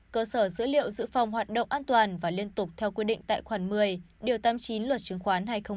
cơ sở dữ liệu dự phòng hoạt động an toàn và liên tục theo quy định tại khoản một mươi điều tám mươi chín luật chứng khoán hai nghìn một mươi ba